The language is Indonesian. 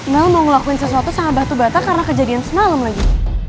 mel mau ngelakuin sesuatu sama batu bata karena kejadian semalam lagi